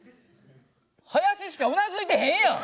ハヤシしかうなずいてへんやん！